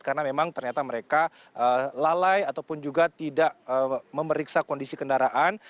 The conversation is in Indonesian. karena memang ternyata mereka lalai ataupun juga tidak memeriksa kondisi kendaraan